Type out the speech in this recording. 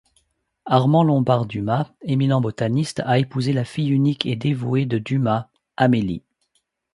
Armand Lombard-Dumas, éminent botaniste, a épousé la fille unique et dévouée de Dumas, Amélie.